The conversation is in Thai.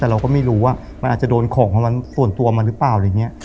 แต่เราก็ไม่รู้ว่ามันอาจจะโดนของมันส่วนตัวมาหรือเปล่าอะไรอย่างนี้